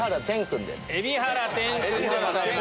海老原テンくんでございます。